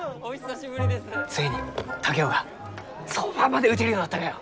ついに竹雄がそばまで打てるようになったがよ。